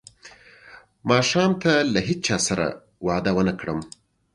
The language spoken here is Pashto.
ماښام ته له هیچا سره وعده ونه کړم.